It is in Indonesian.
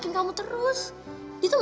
bunga gak nyuruh sekarang